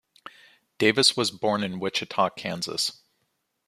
Davis was born in Wichita, Kansas.